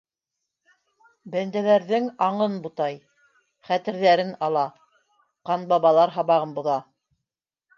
Бәндәләрҙең аңын бутай... хәтерҙәрен ала... ҡанбабалар һабағын боҙа!..